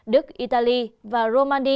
đức italy và romania